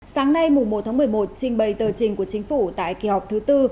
sáng nay một một mươi một trình bày tờ trình của chính phủ tại kỳ họp thứ tư